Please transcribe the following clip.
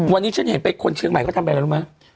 วันนี้ฉันเห็นไปคนเชียงใหม่ก็ทำแบบอะไรรู้มั้ย